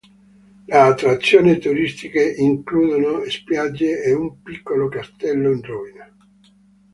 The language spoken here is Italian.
Le attrazioni turistiche includono spiagge e un piccolo castello in rovina.